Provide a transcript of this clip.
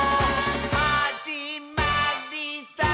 「はじまりさー」